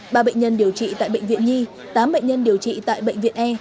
ba bệnh nhân điều trị tại bệnh viện nhi tám bệnh nhân điều trị tại bệnh viện e